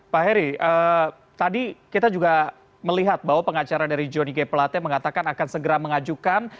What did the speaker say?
pak heri tadi kita juga melihat bahwa pengacara dari johnny g pelate mengatakan akan segera mengajukan